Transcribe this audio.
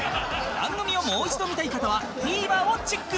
番組をもう一度見たい方は ＴＶｅｒ をチェック！